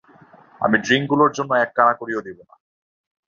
আমি ড্রিংকগুলোর জন্য এক কানাকড়িও দেবো না।